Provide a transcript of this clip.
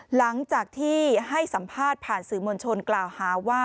หลังจากที่ให้สัมภาษณ์ผ่านสื่อมวลชนกล่าวหาว่า